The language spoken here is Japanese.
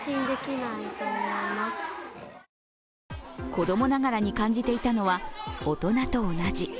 子供ながらに感じていたのは大人と同じ。